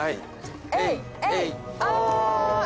エイエイオ！